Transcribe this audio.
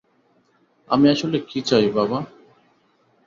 আমি আসলে কী চাই, বাবা?